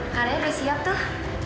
kare besi apa tuh